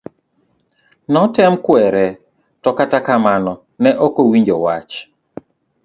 Notem kwere to kata kamano ne okowinjo wach.